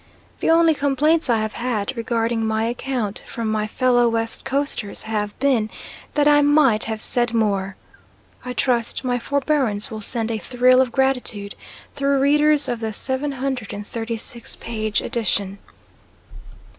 The only complaints I have had regarding my account from my fellow West Coasters have been that I might have said more. I trust my forbearance will send a thrill of gratitude through readers of the 736 page edition.